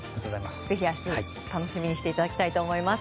ぜひ明日、楽しみにしていただきたいと思います。